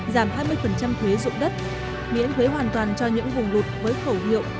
giảm hai mươi thuế dụng đất miễn thuế hoàn toàn cho những vùng lụt với khẩu hiệu